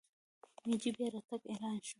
مېجي بیا راتګ اعلان شو.